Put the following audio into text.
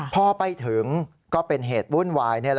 พอไปถึงก็เป็นเหตุวุ่นวาย